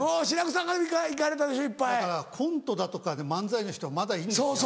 コントだとか漫才の人はまだいいんですよ。